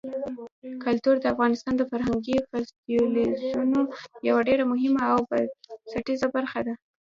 کلتور د افغانستان د فرهنګي فستیوالونو یوه ډېره مهمه او بنسټیزه برخه ده.